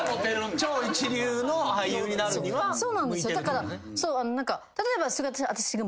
超一流の俳優になるには向いてる。